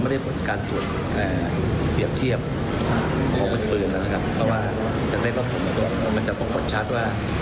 เพราะว่าจะได้ต้องกดชัดว่า